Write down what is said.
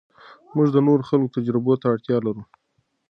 موږ د نورو خلکو تجربو ته اړتیا لرو.